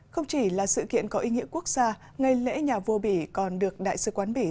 không chỉ là sự kiện có ý nghĩa quốc gia ngày lễ nhà vua bỉ còn được đại sứ quán bỉ